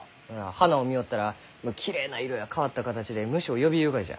花を見よったらきれいな色や変わった形で虫を呼びゆうがじゃ。